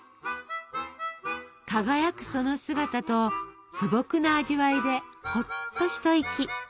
輝くその姿と素朴な味わいでホッと一息。